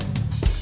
terima kasih bang